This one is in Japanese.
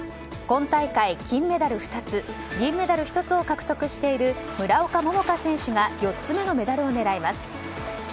今大会、金メダル２つ銀メダル１つを獲得している村岡桃佳選手が４つ目のメダルを狙います。